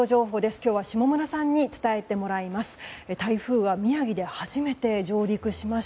今日は下村さんに伝えてもらいます。